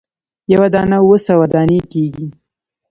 یوه دانه اووه سوه دانې کیږي.